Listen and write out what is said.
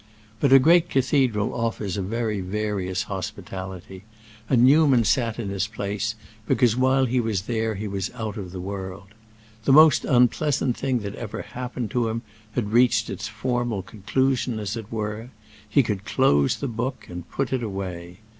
But a great cathedral offers a very various hospitality, and Newman sat in his place, because while he was there he was out of the world. The most unpleasant thing that had ever happened to him had reached its formal conclusion, as it were; he could close the book and put it away.